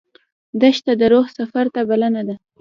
دښته د روح سفر ته بلنه ده.